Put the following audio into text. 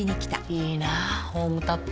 いいなホームタップ。